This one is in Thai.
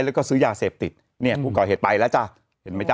แล้วก็ซื้อยาเสพติดเนี่ยผู้ก่อเหตุไปแล้วจ้ะเห็นไหมจ๊